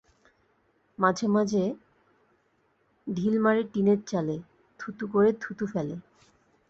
মাঝে-মাঝে টিল মারে টিনের চালে, থু-থু করে থুথু ফেলে।